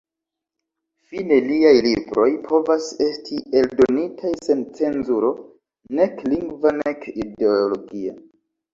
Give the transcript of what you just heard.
Fine liaj libroj povas esti eldonitaj sen cenzuro, nek lingva nek ideologia.